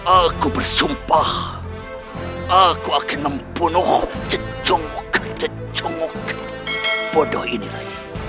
aku bersumpah aku akan membunuh jejong ojong bodoh ini lagi